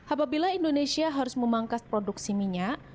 apabila indonesia harus memangkas produksi minyak